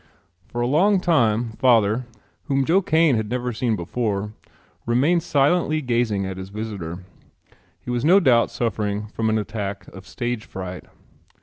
For a long time father, whom Joe Kane had never seen before, remained silently gazing at his visitor. He was no doubt suffering from an attack of stage fright.